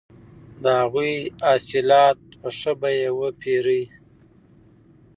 د هغوی حاصلات په ښه بیه وپېرئ.